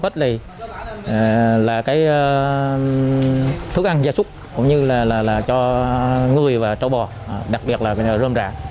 thức ăn gia súc cũng như là cho ngươi và cháu bò đặc biệt là rơm rạng